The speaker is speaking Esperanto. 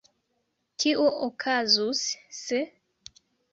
Kio okazus, se…